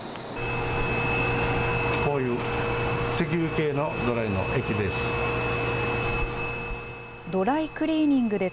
こういう石油系のドライの液です。